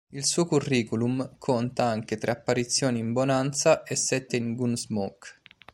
Il suo curriculum conta anche tre apparizioni in "Bonanza" e sette in "Gunsmoke".